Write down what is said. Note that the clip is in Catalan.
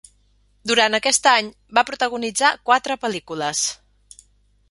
Durant aquest any, va protagonitzar quatre pel·lícules.